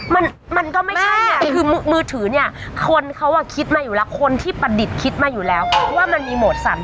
มันมันก็ไม่ใช่อ่ะคือมือถือเนี่ยคนเขาอ่ะคิดมาอยู่แล้วคนที่ประดิษฐ์คิดมาอยู่แล้วเพราะว่ามันมีโหมดสั่น